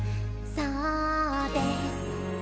「そうです」